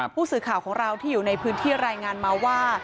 ผู้สื่อข่าวของเราที่อยู่ในพื้นที่รายงานมาว่า